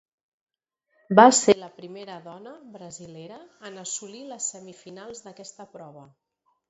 Va ser la primera dona brasilera en assolir les semifinals d'aquesta prova.